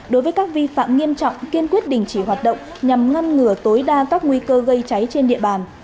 đối với các vi phạm nghiêm trọng kiên quyết đình chỉ hoạt động nhằm ngăn ngừa tối đa các nguy cơ gây cháy trên địa bàn